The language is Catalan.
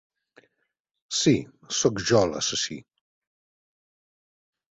Sí, soc jo, l'assassí.